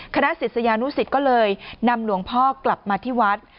คณะศิษยานุสิตก็เลยนำหลวงพ่อกลับมาที่วัด